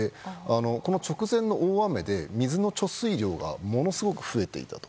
この直前の大雨で水の貯水量がものすごく増えていたと。